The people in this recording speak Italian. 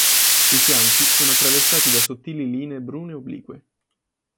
I fianchi sono attraversati da sottili linee brune oblique.